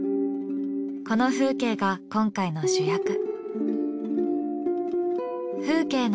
この風景が今回の主役。